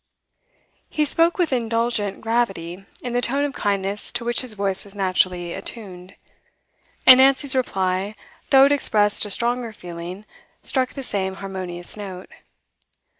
He spoke with indulgent gravity, in the tone of kindness to which his voice was naturally attuned. And Nancy's reply, though it expressed a stronger feeling, struck the same harmonious note.